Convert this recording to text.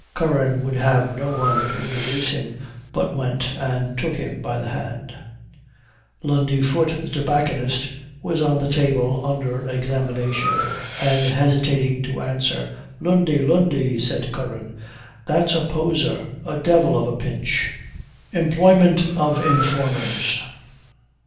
Curran would have no one to introduce him, but went and took him by the hand. Lundy Foot, the tobacconist, was on the table, under examination, and, hesitating to answer "Lundy, Lundy," said Curran, "that's a poser a devil of a pinch." EMPLOYMENT OF INFORMERS.